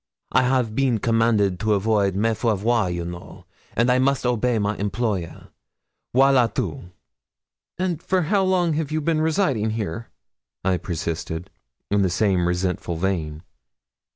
I have been commanded to avoid me faire voir, you know, and I must obey my employer voilà tout!' 'And for how long have you been residing here?' I persisted, in the same resentful vein.